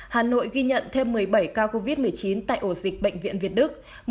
hà nội ghi nhận thêm một mươi bảy ca covid một mươi chín tại ổ dịch bệnh viện việt đức